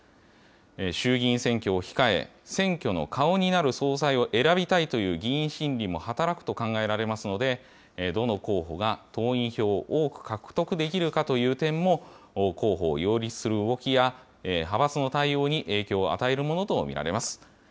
衆議院選挙を控え、選挙の顔になる総裁を選びたいという議員心理も働くと考えられますので、どの候補が党員票を多く獲得できるかという点も、候補を擁立する動きや、派閥の対応に影響を与えるものと見られます。